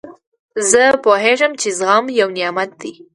زه پوهېږم، چي زغم یو نعمت دئ.